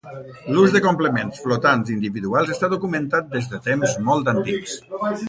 L’ús de complements flotants individuals està documentat des de temps molt antics.